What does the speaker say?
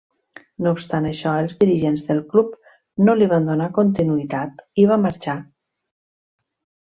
No obstant això, els dirigents del club no li van donar continuïtat i va marxar.